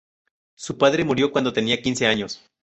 Su padre murió cuando tenía quince años.